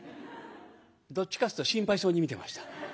どっちかっていうと心配そうに見てました。